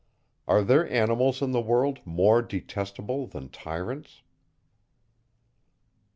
Are there animals in the world more detestable than tyrants? 97.